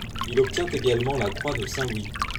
Il obtient également la croix de Saint-Louis.